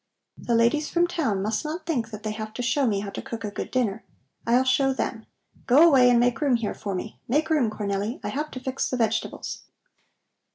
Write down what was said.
The ladies from town must not think that they have to show me how to cook a good dinner. I'll show them. Go away and make room here for me. Make room, Cornelli! I have to fix the vegetables."